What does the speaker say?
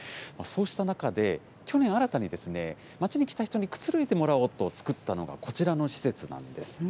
そうした中で、去年新たに町に来た人にくつろいでもらおうと作ったのが、こちらの施設なんです。